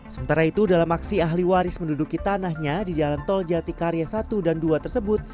sementara itu dalam aksi ahli waris menduduki tanahnya di jalan tol jatikarya satu dan dua tersebut